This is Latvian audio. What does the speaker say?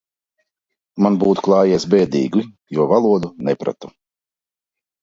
Man būtu klājies bēdīgi, jo valodu nepratu.